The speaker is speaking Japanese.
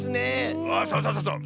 あそうそうそうそう。